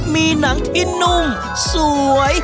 มีหนังที่นุ่มสวย